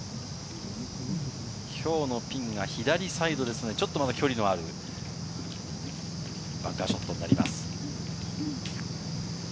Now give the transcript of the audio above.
きょうのピンが左サイドですので、ちょっと距離のあるバンカーショットになります。